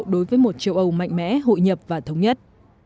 đối với một châu âu mạnh mẽ hội nhập và thống nhất